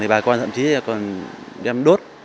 thì bà con thậm chí còn đem đốt